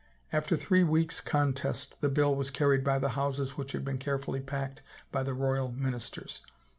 After three weeks' contest, the bill was carried by the Houses which had been care fully packed by the royal ministers.